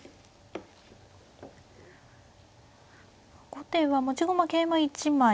後手は持ち駒桂馬１枚。